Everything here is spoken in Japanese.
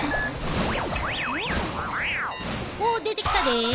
おっ出てきたで！